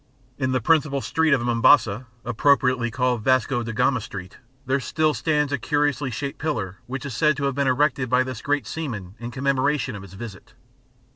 In the principal street of Mombasa appropriately called Vasco da Gama Street there still stands a curiously shaped pillar which is said to have been erected by this great seaman in commemoration of his visit.